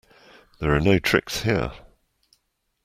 There are no tricks here.